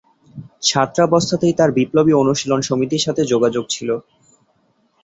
ছাত্রাবস্থাতেই তার বিপ্লবী অনুশীলন সমিতির সাথে যোগাযোগ ছিল।